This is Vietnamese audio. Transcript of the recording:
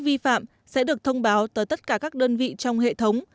nếu có mẫu vệ thực vật thì sẽ được thông báo tới tất cả các đơn vị trong hệ thống